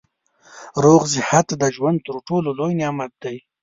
روغ صحت د ژوند تر ټولو لوی نعمت دی